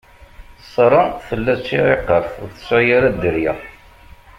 Ṣara tella d tiɛiqert, ur tesɛi ara dderya.